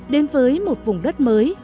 đến với một vùng đất mới